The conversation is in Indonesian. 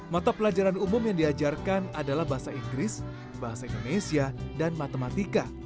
mata pelajaran umum yang diajarkan adalah bahasa inggris bahasa indonesia dan matematika